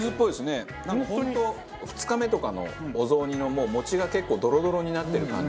なんか本当２日目とかのお雑煮のもう餅が結構ドロドロになってる感じ。